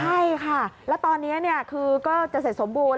ใช่ค่ะแล้วตอนนี้คือก็จะเสร็จสมบูรณ